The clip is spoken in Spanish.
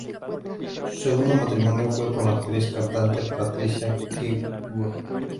Su segundo matrimonio fue con la actriz y cantante Patricia Kirkwood.